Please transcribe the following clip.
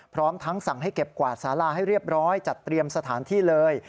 พร้อมทั้งสั่งให้เก็บกวาดสาราให้เรียบร้อยจัดเตรียมสถานที่เลย